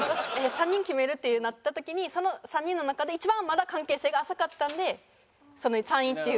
３人決めるってなった時にその３人の中で一番まだ関係性が浅かったので３位っていう。